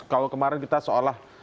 kalau kemarin kita seolah